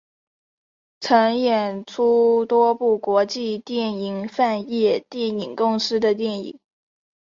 曾演出多部国际电影懋业电影公司的电影。